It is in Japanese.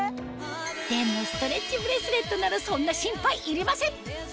でもストレッチブレスレットならそんな心配いりません！